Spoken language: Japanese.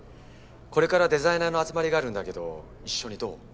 これからデザイナーの集まりがあるんだけど一緒にどう？